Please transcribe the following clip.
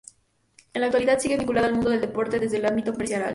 En la actualidad sigue vinculada al mundo del deporte desde el ámbito empresarial.